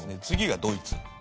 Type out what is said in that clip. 次がドイツ。